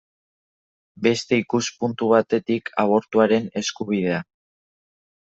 Beste ikuspuntu batetik, abortuaren eskubidea.